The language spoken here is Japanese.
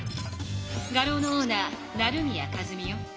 画廊のオーナー成宮数美よ。